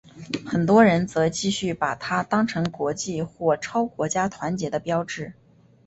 很多人则继续把它当成国际或超国家团结的标志。